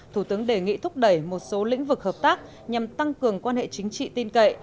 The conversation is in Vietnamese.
thủ tướng đề nghị thúc đẩy một số lĩnh vực hợp tác nhằm tăng cường quan hệ chính trị tin cậy